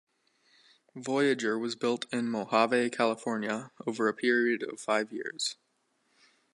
Voyager was built in Mojave, California, over a period of five years.